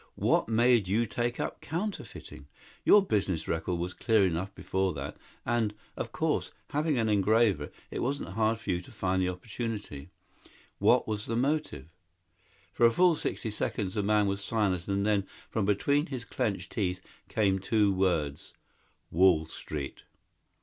"What made you take up counterfeiting? Your business record was clear enough before that, and, of course, being an engraver, it wasn't hard for you to find the opportunity. What was the motive?" For a full sixty seconds the man was silent and then, from between his clenched teeth, came two words, "Wall Street."